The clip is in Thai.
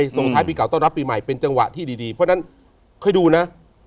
ส่งท้ายปีเก่าต้อนรับปีใหม่เป็นจังหวะที่ดีเพราะฉะนั้นค่อยดูนะ